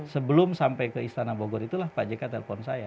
sebelum sampai ke istana bogor itulah pak jk telepon saya